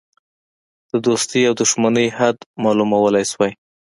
د دوستی او دوښمنی حد معلومولی شوای.